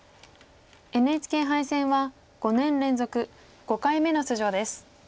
ＮＨＫ杯戦は５年連続５回目の出場です。